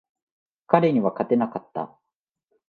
彼には勝てなかった。